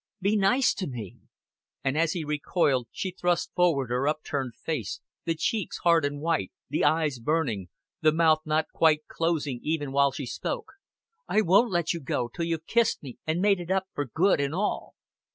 "Be nice to me." And as he recoiled she thrust forward her upturned face, the cheeks hard and white, the eyes burning, the mouth not quite closing even while she spoke. "I won't let you go, till you've kissed me and made it up for good an' all."